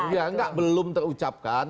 iya nggak belum terucapkan